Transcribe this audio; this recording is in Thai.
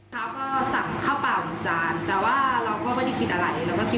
เช้าก็สั่งข้าวเปล่าของจานแต่ว่าเราก็ไม่ได้คิดอะไร